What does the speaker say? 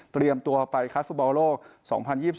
เตรียมตัวไปคลัสฟุตเบาโลก๒๐๒๒